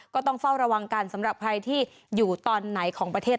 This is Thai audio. ก็ต้องเฝ้าระวังกันสำหรับใครที่อยู่ตอนไหนของประเทศ